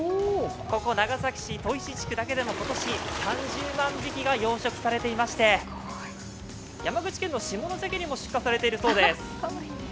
ここ、長崎市・戸石漁港だけでも今年３０万匹が養殖されていまして山口県の下関にも出荷されているそうです。